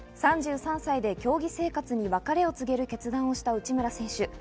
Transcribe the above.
３３歳で競技生活に別れを告げる決断をした内村選手。